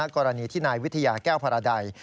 กรณีที่ในวิทยาแก้วภาราใด